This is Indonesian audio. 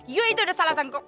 you itu udah salah tanggung